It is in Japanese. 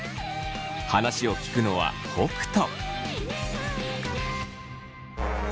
話を聞くのは北斗。